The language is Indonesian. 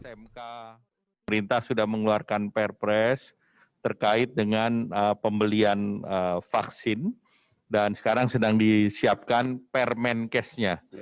pemerintah sudah mengeluarkan perpres terkait dengan pembelian vaksin dan sekarang sedang disiapkan permenkesnya